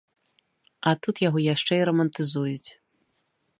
А тут яго яшчэ і рамантызуюць.